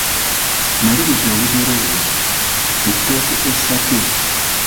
Maliriza olugero luno: Ettooke essake, …